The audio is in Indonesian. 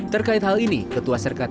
terkait hal ini ketua serikat